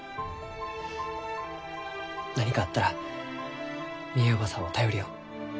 何かあったらみえ叔母さんを頼りよ。